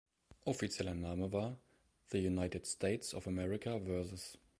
Offizieller Name war „The United States of America vs.